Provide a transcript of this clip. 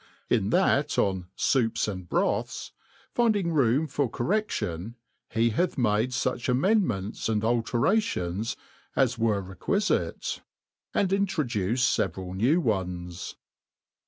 In that on Soups and Broths, finding room for cor* re£lion^ be bath made fuch amendments and alterations as were requifitCy and introduced feveral new ones.